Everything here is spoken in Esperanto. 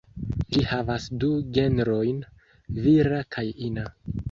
Ĝi havas du genrojn: vira kaj ina.